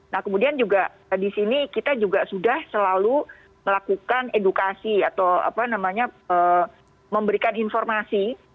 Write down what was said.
nah kemudian juga di sini kita juga sudah selalu melakukan edukasi atau apa namanya memberikan informasi